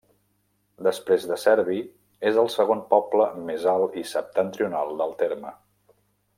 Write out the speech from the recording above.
Després de Cerbi, és el segon poble més alt i septentrional del terme.